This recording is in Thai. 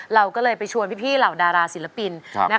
เราก็เลยไปชวนพี่เหล่าดาราศิลปิน